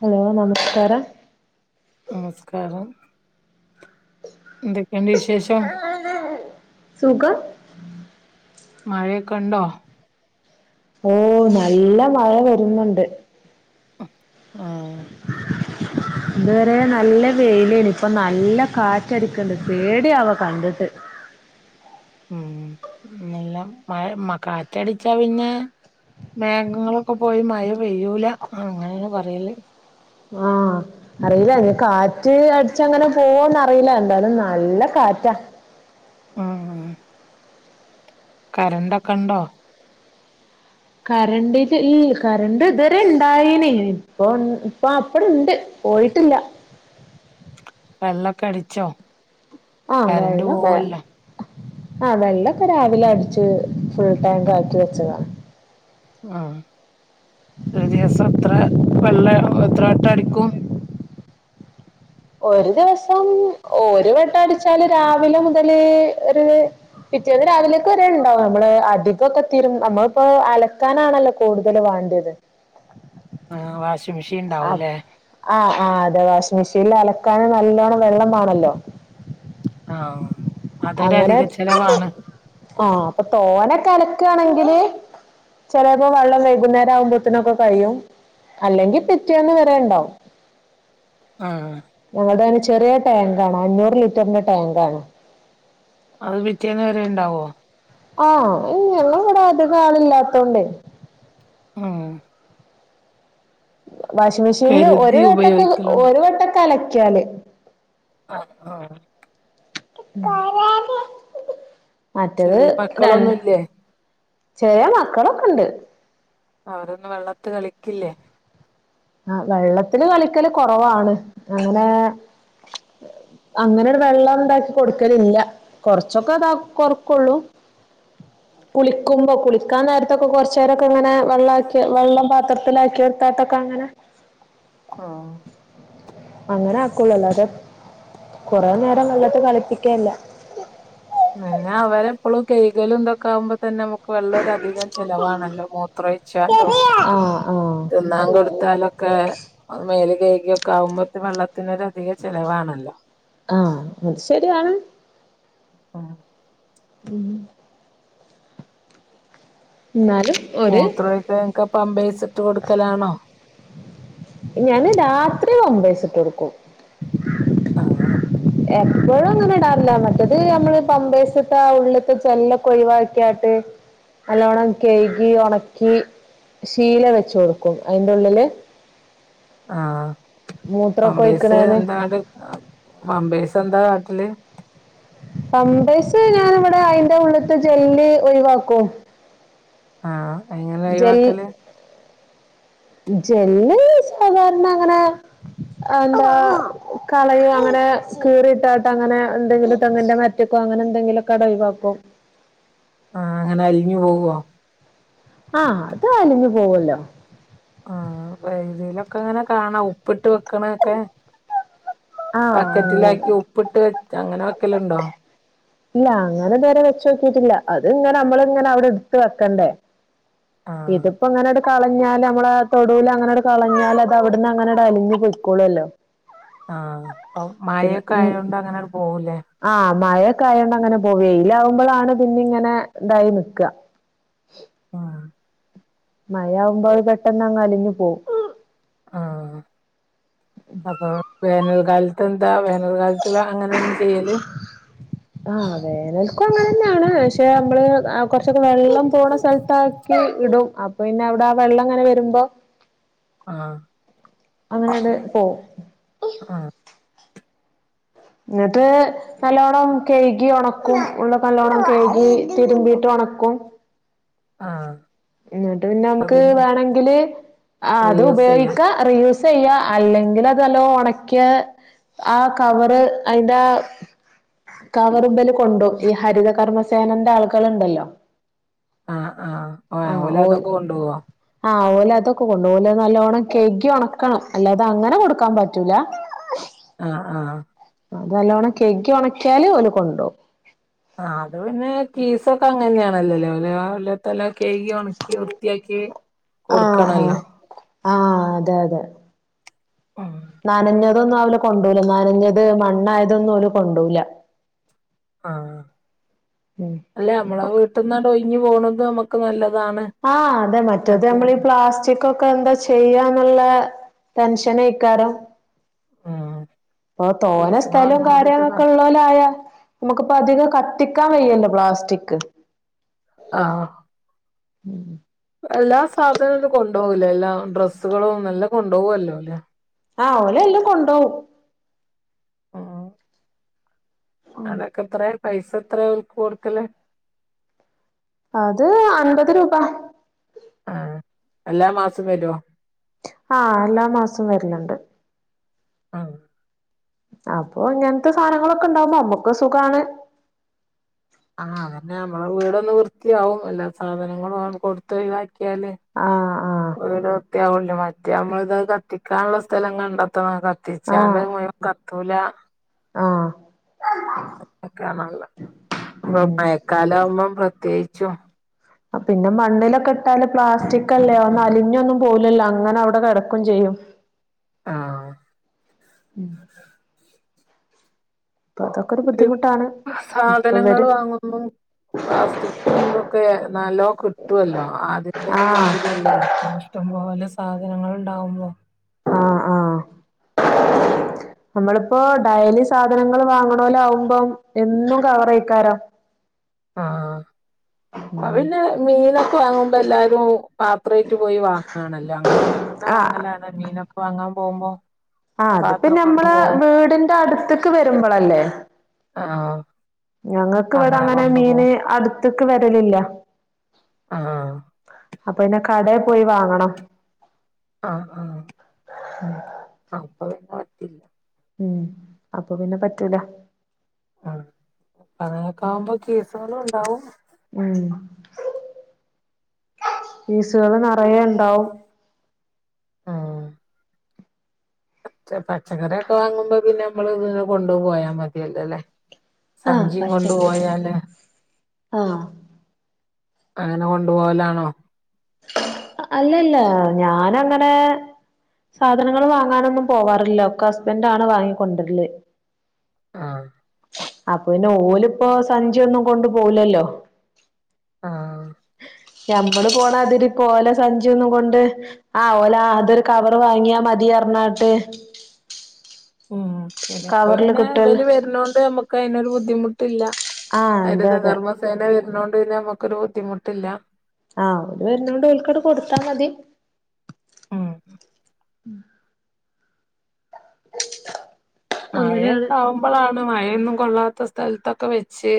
hello നമസ്കാരം നമസ്കാരം എന്തൊക്കയുണ്ട് വി ശേഷം സുഖം മഴയൊക്കെ ഉണ്ടോ ഓ നല്ല മഴ വരുന്നുണ്ട് ആഹ് ഇതു വരെ നല്ല വെയിലേണ് ഇപ്പൊ നല്ല കാറ്റടിക്കണ്ട് പേടിയാവാ കണ്ടിട്ട് ഉം മെല്ലാം മഴ കാറ്റടിച്ചാ പിന്നെ മേഘങ്ങളൊക്കെ പോയി മഴ പെയ്യൂല അങ്ങനെയാണ് പറയല് ആഹ് അറിയില്ല കാറ്റ് അടിച്ചങ്ങനെ പോവോന്ന് അറിയില്ല എന്തായാലും നല്ല കാറ്റാ ആഹ് കരണ്ടൊക്കെ ഉണ്ടോ കരണ്ട് ഈ കരണ്ട് ഇതുവരെ ഇണ്ടായിന് ഇപ്പൊ അപ്പോൾ അപ്പടെ ഉണ്ട് പോയിട്ടില്ല വെള്ളൊക്കെ അടിച്ചോ ആഹ് കരണ്ട് വെള്ളൊക്കെ പോവല്ലോ ആഹ് വെള്ളൊക്കെ രാവിലെ അടിച്ച് ഫുൾ ടാങ്ക് ആക്കി വെച്ചതാണ് ആഹ് ഒരു ദിവസം എത്ര വെള്ളം എത്ര വട്ടം അടിക്കും ഒരു ദിവസം ഒരു വട്ടം അടിച്ചാല് രാവിലെ മുതല് ഒരു പിറ്റേന്ന് രാവിലെയൊക്കെ വരെ ഉണ്ടാവും നമ്മള് അധികം ഒക്കെ തീരും നമ്മളിപ്പോ അലക്കാനാണല്ലോ കൂടുതല് വേണ്ടത് ആഹ് വാഷിംഗ് മെഷീൻ ഉണ്ടാവുംല്ലേ ആഹ് ആഹ് അതെ വാഷിംഗ് മെഷീനിൽ അലക്കാന് നല്ലോണം വെള്ളം വേണല്ലോ ആഹ് അതൊരധിക ചിലവാണ് ആഹ് അപ്പൊ തോനെക്കെ അലക്കയാണെങ്കില് ചിലപ്പോ വെള്ളം വൈകുന്നേരം ആവുമ്പോഴത്തനുമൊക്കെ കഴിയും അല്ലെങ്കിൽ പിറ്റേന്ന് വരെയുണ്ടാവും ആഹ് ഞങ്ങടെ തന്നെ ചെറിയ ടാങ്ക് ആണ് അഞ്ഞൂറ് ലിറ്ററിന്റെ ടാങ്ക് ആണ് അത് പിറ്റേന്ന് വരെ ഉണ്ടാവോ ആഹ് ഞങ്ങള് ഇവിടെ അധികം ആളില്ലാത്തോണ്ടേ ആഹ് വാഷിങ് മെഷീനില് ഒരു കരുതി വട്ടൊക്കെ ഉപയോഗിക്കലുണ്ടോ ഒരു വട്ടൊക്കെ അലക്കിയാല് ആഹ് ആഹ് മറ്റേത് ചെറിയ രണ്ട് മക്കളൊന്നുംല്ലേ ചെറിയ മക്കളൊക്കെ ഉണ്ട് അവരൊന്നും വെള്ളത്തി കളിക്കില്ലേ ആഹ് വെള്ളത്തില് കളിക്കല് കുറവാണ് അങ്ങനെ അങ്ങനെ വെള്ളം ഇതാക്കി കൊടുക്കലില്ല കൊറച്ചൊക്കെ ഇതാ കൊറക്കോള്ളു കുളിക്കുമ്പോ കുളി ക്കാൻ, നേരത്തൊക്കെ കൊറച്ചേരൊക്കെ ഇങ്ങനെ വെള്ളകി വെള്ളം പാത്രത്തിലാക്കി ഇട്ടാട്ടൊക്കെ അങ്ങനെ ഓ അങ്ങനെ അക്കോള്ളു അല്ലാതെ കൊറേ നേരം വെള്ളത്തി കളിപ്പിക്കെല്ല പിന്നെ അവരെപ്പോഴും കഴികലും എന്തൊക്കെ ആകുമ്പോ തന്നെ നമുക്ക് വെള്ളം ഒര അധികം ചിലലവാണല്ലോ മോ മൂത്രോയിച്ചാലും ആ ആ തിന്നാൻ കൊടുത്താലൊക്കെ അത് മേല് കൈകിയൊക്കെ ആവുമ്പോക്ക് വെള്ളത്തിനൊരധിക ചെലവാണല്ലോ ആഹ് അത് ശരിയാണ് ആഹ് പിന്നെ ഇന്നാലും മൂത്രയ്ക്കാനൊക്കെ പമ്പയ്സിട്ട് കൊടുക്കലാണോ ഞാന് രാത്രി പമ്പേയ്സിട്ട് കൊടുക്കും അങ്ങനെ എപ്പോഴും അങ്ങനെ ഇടാറില്ല മറ്റേത് നമ്മള് പമ്പേയ്സിട്ടാ ഉള്ള്ത്തെ ജെല്ല് ഒക്കെ ക്കെ ഒഴിവാക്യാട്ട് നല്ലോണ്ണം കയ്കി ഉണക്കി ശീല വെച്ച് കൊടുക്കും അതിന്റെ ഉള്ളില് ആഹ് മൂത്രമൊക്കെ പമ്പേയ്സ് ഒഴിക്കണേന് എന്താണ്ട് പമ്പേയ്സ് എന്താ കാട്ടല് പാമ്പേസ് ഞാന് ഇവിടെ അയിന്റെ ഉള്ളത്തെ ജെല്ല് ഒഴിവാക്കും ആഹ് അയിന് ജെൽ ജെല്ല് സാധാരണ അങ്ങനെ എന്താ കളയോങ്ങനെ കീറിയിട്ടാട്ട് അങ്ങനെ എന്തെങ്കിലും തെങ്ങിന്റെ മൊരട്ട്ക്കോ അങ്ങനെ എന്തെങ്കിലൊക്കെ അവ്ടെ ഒയിവാക്കും ആഹ് അങ്ങനെ അലിഞ്ഞു പോവോ ആഹ് അത് അലിഞ്ഞു പോവല്ലോ ആഹ് വേതിയിലൊക്കെങ്ങനെ ഇങ്ങനെ കാണാ ഉപ്പ് ഉപ്പട്ട് വെക്കണേകെ ആഹ് അങ്ങനെ ബക്കറ്റിലാക്കി ഉപ്പിട്ട് വെക് അങ്ങനെ വെക്ക് ക്കലുണ്ടോ ഇല്ല അങ്ങനെ ഇതുവരെ വെച്ചോക്കിയിട്ടില്ല അത് ഇങ്ങനെ നമ്മള്ങ്ങനെ അവിടെ ഇടുത്ത് വെക്കണ്ടേ ആഹ് ഇതിപ്പോങ്ങനെട് കളഞ്ഞാല് നമ്മളെ തൊടുവിൽ അങ്ങനെട് കളഞ്ഞാൽ അത് അവിടുന്ന് അങ്ങനെട് അലിഞ്ഞ് പോയ്ക്കോളോല്ലോ ആഹ് അപ്പൊ മഴൊക്കെ ഉം ആയോണ്ട് അങ്ങനെങ്ങട് പോവൂല്ലേ ആഹ് മഴയൊക്കെ ആയോണ്ട് അങ്ങനെ പോകെ വെയിലാകുമ്പളാണ് പിന്നെ ഇങ്ങനെ ഇതായി നിക്കാ ആഹ് മയാവുമ്പോ അത് പെട്ടെന്ന് അങ്ങ് അലിഞ്ഞു പോവും ആഹ് അപ്പൊ വേനൽ കാലത്ത് എന്താ വേനൽ കാലത്ത് അങ്ങനെന്നെ ചെയ്യല് ആഹ് വേനൽക്കും അങ്ങനെന്നാണ് പക്ഷെ നമ്മള് കുറച്ചൊക്കെ വെള്ളം പോണ സ്ഥലത്താ ക്കി ഇടും അപ്പൊ പിന്നെ അവിടെ ആ വെള്ളം ഇങ്ങനെ വരുമ്പോ ആഹ് അങ്ങനണ്ട് പോവും ആഹ് ന്നിട്ട് നല്ലോണ്ണം കയ്കി ഒണക്കും ഉള്ളൊക്കെ നല്ലോണം കഴുകി തിരുമ്പിട്ട് ഒണക്കും ആഹ് എന്നിട്ട് പിന്നെ നമുക്ക് വേണെങ്കില് ആഹ് അതു റീയൂസ് ചെയ്യാ ഉപയോഗിക്കാ റിയൂസ് ചെയ്യാ അല്ലെങ്കിൽ അതല്ലോ ഒണക്ക്യാ ആഹ് കവറ് അയിന്റാ കവറുബല് കൊണ്ടോ ഈ ഹരിത കർമ്മസേനന്റെ ആളുകൾ ഉണ്ടല്ലോ ആഹ് ആഹ് ആഹ് ഓൽ ഓലതൊക്കെ കൊണ്ടോവോ ആഹ് ഓലതൊക്കെ കൊണ്ടോവും ഓലെഅ് നല്ലോണ്ണം കയ്കി ഉണക്കണം അല്ലാതെ അങ്ങനെ കൊടുക്കാൻ പറ്റൂല ആഹ് ആഹ് അതല്ലോണം കെയ്കി ഒ ണക്കിയാല് ഓല് കൊണ്ടോവും ആഹ് അത് പിന്നെ കീസൊക്കെ അങ്ങനെയാണല്ലല്ലേതലക്കെ കി ഒണക്കി വൃത്തിയാക്കി ആഹ് ആഹ് കൊടുക്കണല്ലോ ആഹ് അതെ അതെ ആഹ് നനഞ്ഞതൊന്നും അവല് കൊണ്ടോവൂല നനഞ്ഞത് മണ്ണായതൊന്നും ഓല് കൊണ്ടോവൂല്ല ആഹ് ഉം അല്ല നമ്മള വീട്ടിൽന്നാടൊഴി ഞ്ഞ് പോകുന്നത് നമ്മുക്ക് നല്ലതാണ് ആഹ് അതെന്നെ മറ്റേത് അതെ നമ്മളീ ഈ പ്ലാസ്റ്റിക്കും ക്കെന്താ ചെയ്യാന്നുള്ള ടെൻഷനൈക്കാരം ആഹ് ഇപ്പൊ തോന്ന സ്ഥലവും കാര്യങ്ങളൊക്കെള്ള ലായാൽ നമുക്കിപ്പ അധികം കത്തിക്കാൻ വയ്യല്ലോ പ്ലാസ്റ്റിക്ക് ആഹ് ഉം എല്ലാ സാധനവും കൊണ്ടുപോകൂല്ലേ എല്ലാ ഡ്രെസ്സുകളും എല്ലാം കൊണ്ടുപോകല്ലോ അല്ലെ ആഹ് ഓല് എല്ലാം കൊണ്ടോവും ഉം അതൊക്കെ പറയാപൈസ എത്രയാകൊടുക്കല് അത് അൻപത് രൂപ ആഹ് എല്ലാ മാസം വരോ ആഹ് എല്ലാ മാസോം വരുന്നുണ്ട് ആഹ് അപ്പൊ ഇങ്ങനത്തെ സാധനങ്ങളൊക്കെ ഉണ്ടാകുമ്പോ നമ്മക്കും സുഖാണ് ആഹ് അതന്നെ നമ്മളെ വീടൊന്ന് വൃത്തിയാവും എല്ലാ സാധനങ്ങളും കൊടുത്ത്ഒഴിവാ ക്യാല് ആഹ് ആഹ് വൃത്തിയാവോലോ മറ്റെമ്മള് ഇത് കത്തി ക്കാനുള്ള സ്ഥലം കണ്ടെത്തണം കത്തിച്ചാല് ആഹ് മുഴുവൻ കത്തൂല ആഹ് അക്കണല്ല ഇപ്പൊ ഉം മഴക്കാല ആവുമ്പം പ്രത്യേകിച്ചും പിന്നെ മണ്ണിലൊക്കെ ഇട്ടാല് പ്ലാസ്റ്റിക് അല്ലേ ഒന്ന് അലിഞ്ഞൊന്നും പോവൂലല്ലോ അങ്ങനെ അവിടെ കെടക്കും ചെയ്യും ആഹ് ഉം അപ്പൊ അതൊക്കെ ഒരു ബുദ്ധിമുട്ടാണ് ഇപ്പൊ സാധനങ്ങൾ ഇവര് വാങ്ങും മ്പൊ പ്ലാസ്റ്റിക്കൊക്കെ നല്ലോകി ട്ടുവല്ലോ ആദ്യത്തൊന്നും ആഹ് മാതിരിയല്ലല്ലോപ്പൊ ഇഷ്ട്ടം പോലെ സാധനങ്ങളുണ്ടാവുമ്പൊ ആഹ് ആഹ് നമ്മളിപ്പോ ഡയലി സാധനങ്ങൾ വാങ്ങണലോലാകുമ്പം എന്നും കവറയിക്കാരോ ആഹ് അപ്പ പിന്നെ മീനൊക്കെ വാങ്ങുമ്പോ എല്ലാരും പാത്രയ്റ്റ് പോയി വാങ്ങയാണല്ലോ ങ്ങളൊക്കെ ഇ ആഹ് വാങ്ങലാണ് നീനക്ക വാങ്ങാൻ പോകുമ്പോ ആഹ് അത് പാത്രം പ്പനമ്മള കൊണ്ടു പോവും വീടിന്റെ അടുത്തേക്ക് വരുമ്പളല്ലേ ആഹ് ഞങ്ങക്ക് ഇവിടെ അങ്ങനെ കൊണ്ടു മീന് പോവും അടുത്ത്ക്ക് വരലില്ല ആഹ് അപ്പൊ പിന്നെ കടേ പോയി വാങ്ങണം ആഹ് ആഹ് അപ്പൊ പിന്നെ പറ്റില്ല അപ്പൊ പിന്നെ പറ്റൂല ആഹ് പറയൊക്കെ ആാവുമ്പോ കേസുകളും ഉണ്ടാവും ഉം ഫീസുകള് നിറയ ഇണ്ടാവും ആഹ് പച്ചക്കറിയൊക്കെ വാങ്ങുമ്പോ പിന്നെ നമ്മള് ഇത് കൊണ്ട് പോയാ മതിയല്ലോയല്ലേ ആഹ് സഞ്ചിയും കൊണ്ട് പറ്റും പോയല ആഹ് അങ്ങനെ കൊണ്ടുപോവലാണോ അല്ലല്ല ഞാനങ്ങനെ സാധനങ്ങൾ വാങ്ങാനൊന്നും പോവാറില്ല ഒക്കെ ഹസ്ബൻഡ ആണ് വാങ്ങിക്കൊണ്ടിവരല് ആഹ് അപ്പൊ പിന്നെ ഓലിപ്പോ സഞ്ചിയൊന്നും കൊണ്ടു പോവിലല്ലോ ആഹ് ഞമ്മള് പോണാതിരി പോലെ സഞ്ചിന്നും കൊണ്ട് ആഹ് ഓല അതൊരു കവറ് വാങ്ങിയാ മതിയാർന്നു അങ്ങട്ട് ഉം പിന്നെ അപ്പൊ കവറില് പിന്നെ കിട്ടൽ അവര് വരുന്നോണ്ട് നമ്മുക്ക് അതിനൊരു ബുദ്ധിമുട്ടില്ല ആഹ് അതെ അതെ കർമ്മസേന വരുന്നോണ്ട് പിന്നെ നമ്മുക്കൊരു ബുദ്ധിമുട്ടില്ല ആഹ് ഒരു വരുന്നോൽണ്ട് അവര്ക് കൊടുത്താൽ മതി ഉം അങ്ങനെയാണ് മഴയുണ്ടാവും നമ്മളാണ് മഴൊന്നും കൊള്ളാത്ത സ്ഥലത്തൊക്കെ വെച്ച്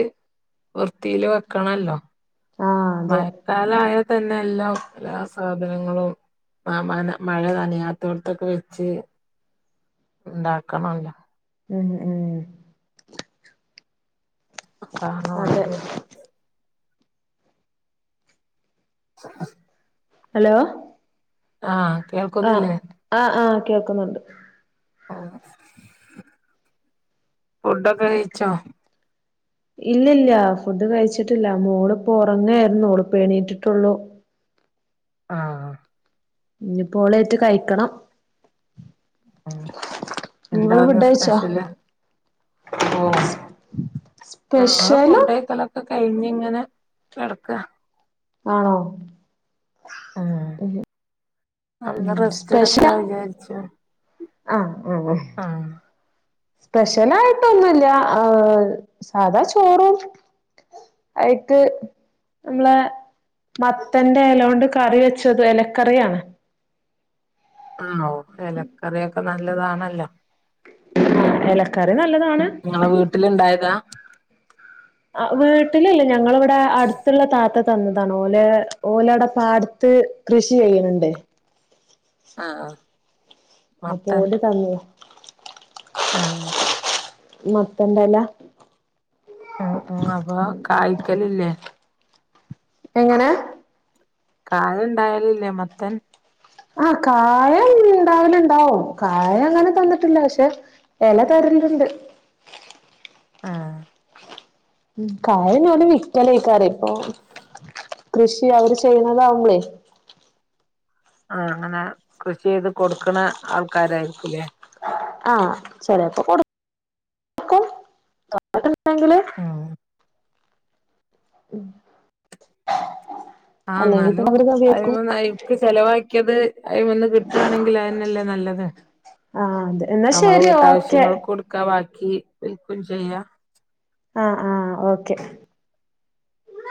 വൃത്തിയില് വെക്കണല്ലോ ആഹ് അതെ മഴക്കാലയാൽ തന്നെ എല്ലാം എല്ലാ സാധനങ്ങളും ആഹ് മ മഴ നനയാത്തോടത്തൊക്കെ വെച്ച് ഉണ്ടാക്കണല്ലോ ഉം ഉം ഉം അതാണ് അതെ വേണ്ടിയത് [inaudible] ഹലോ ആഹ് ആഹ് കേൾക്കുന്നില്ലേ ആഹ് ആഹ് കേൾക്കുന്നുണ്ട് ഓ ഫുഡൊക്കെ കയിച്ചോ ഇല്ല ഇല്ല ഫുഡ് കഴിച്ചിട്ടില്ല മോള് ഇപ്പോ ഉറങ്ങായിരുന്നു മോള് ഇപ്പ എണീറ്റട്ടേള്ളൂ ആഹ് ഇനിപ്പോളായിട്ട് കഴിക്കണം ആഹ് നിങ്ങള് എന്താന്ന് ഫുഡ് കഴിച്ചോ സ്പെഷ്യല് ഉം ഞങ്ങള് സ്പെഷ്യല് ഫുഡ് കഴിക്കലൊക്കെ കഴിഞ്ഞ് ഇങ്ങനെ കിടക്ക ആണോ ഉം ഒന്ന് ഉം റെസ്റ്റ് എടുക്കാ സ്പെഷ്യലാ വിചാരിച്ചു ആഹ് അങ്ങനെ ആഹ് സ്പെഷ്യലായിട്ടൊന്നുല്ല സാധാ ചോറും അയിക്ക് ഉള്ള മത്തന്റെ ഇല കൊണ്ട് കറി വെച്ചത് ഇലക്കറിയാണ് ആഹ് ഇലക്കറിയൊക്കെ നല്ലതാണല്ലോ ആഹ് ഇലക്കറി നല്ലതാണ് നിങ്ങളെ വീട്ടില് ഇണ്ടായതാ വീട്ടിലില്ലാ ഞങ്ങളിവിടെ അടുത്തുള്ള താത്ത തന്നതാണ് ഓല ഓലടെ പാടത്ത് കൃഷി ചെയ്യണണ്ട് ആഹ ആഹ് അപ്പോ മത്തൻ ഓല് തന്നയാ ആഹ് മത്തന്റെയില ഉം ഉം അപ്പൊ കായ്ക്കല്യല്ലേ എങ്ങനെ കായ്ണ്ടായല്ല്ലേ മത്തൻ ആഹ് കായ ഉണ്ടാവലുണ്ടാവും കായ അങ്ങനെ തന്നിട്ടില്ല പക്ഷെ എല തരല്ണ്ട് ആഹ് ഉം കായ ഞ്ഞ് ഓല് വിക്കലക്കാരെ ഇപ്പൊ കൃഷി അവര് ചെയ്യുന്നതാവുമ്പളേ ആഹ് ആഹ് അങ്ങനെ കൃഷി ചെയ്ത് കൊടുക്കണ ആൾക്കാരായിരിക്കുംല്ലേ ആഹ് ചെലേപ്പം കൊടു തോനെണ്ടെങ്കില് ആഹ് ഉം ആഹ് നല്ലൊ അയിക്ക് ചെലവാക്കിയത് അയി മന്ന് കിട്ടുകയാണെങ്കിൽ അതനല്ലേ നല്ലത് ആ അതെ എന്നാ നമ്മള് ശരി ഓക്കെ വീട്ടാവശ്യങ്ങൾക്ക് ഇട് ബാക്കി ബ്ക്കുംചെയ്യാ ആഹ് ആഹ് ഓക്കെ